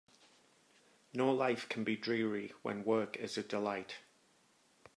No life can be dreary when work is a delight.